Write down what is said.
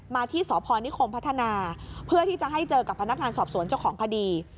มาที่สพนิคมพัฒนาเพื่อที่จะให้เจอกับพนักงานสอบสวนเจ้าของคดี